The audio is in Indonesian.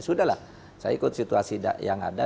sudahlah saya ikut situasi yang ada